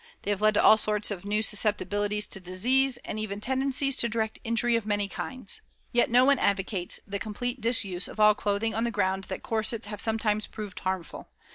They have led to all sorts of new susceptibilities to disease and even tendencies to direct injury of many kinds. Yet no one advocates the complete disuse of all clothing on the ground that corsets have sometimes proved harmful.